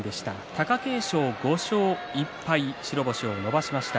貴景勝、５勝１敗白星を伸ばしました。